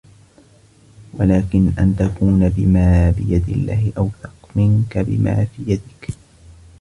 وَلَكِنْ أَنْ تَكُونَ بِمَا بِيَدِ اللَّهِ أَوْثَقُ مِنْك بِمَا فِي يَدِيك